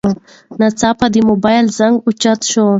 ناڅاپه د موبایل زنګ اوچت شو.